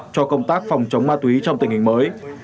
cho công tác phòng chống ma túy trong tình hình mới